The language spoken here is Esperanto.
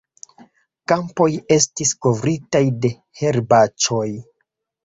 Kampoj estis kovritaj de herbaĉoj.